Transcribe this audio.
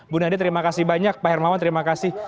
bu nadia terima kasih banyak pak hermawan terima kasih